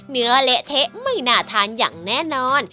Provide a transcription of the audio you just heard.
เละเทะไม่น่าทานอย่างแน่นอน